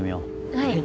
はい。